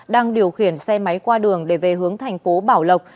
đang điều khiển xe máy qua đường để về hướng thành phố bảo lộc